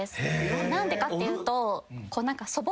何でかっていうと。